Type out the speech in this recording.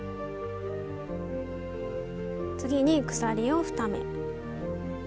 次に鎖を２目。